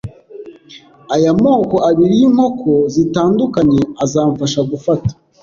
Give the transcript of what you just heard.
aya moko abiri y’inkoko zitandukanye azamfasha gufata